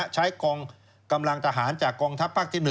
ใช้กองกำลังทหารจากกองทัพภาคที่๑